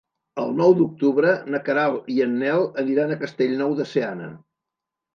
El nou d'octubre na Queralt i en Nel aniran a Castellnou de Seana.